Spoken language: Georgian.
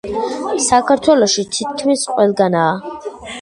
საქართველოში თითქმის ყველგანაა.